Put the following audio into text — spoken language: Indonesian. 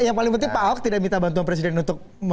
yang paling penting pak ahok tidak minta bantuan presiden untuk